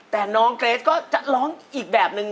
แต่น้องเกรทก็จะร้องอีกแบบนึง